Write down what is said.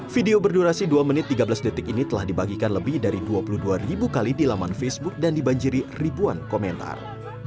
video berdurasi dua menit tiga belas detik ini telah dibagikan lebih dari dua puluh dua ribu kali di laman facebook dan dibanjiri ribuan komentar